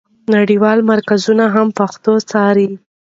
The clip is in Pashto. نړیوال مرکزونه هم پښتو څاري.